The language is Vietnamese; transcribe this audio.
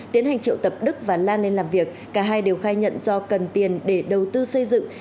tiến hành triệu tập đức và lan lên làm việc cả hai đều khai nhận do cần tiền để đầu tư xây dựng